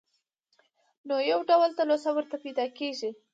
نو يو ډول تلوسه ورته پېدا کيږي.